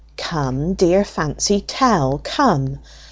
"Come, dear Fancy, tell: come.